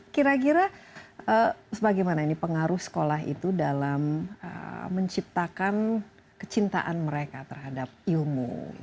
kira kira sebagaimana ini pengaruh sekolah itu dalam menciptakan kecintaan mereka terhadap ilmu